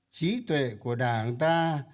trí tuệ của đảng ta